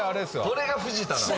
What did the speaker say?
どれが藤田なん。